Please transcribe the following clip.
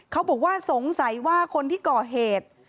เขาบอกว่าสงสัยว่าคนที่ก่อเหตุ